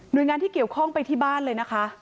โดยงานที่เกี่ยวข้องไปที่บ้านเลยนะคะ